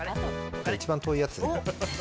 一番遠いやつ。